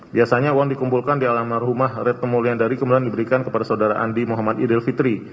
biasanya uang dikumpulkan di alam alrumah retno mulyan dari kemudian diberikan kepada saudara andi muhammad idil fitri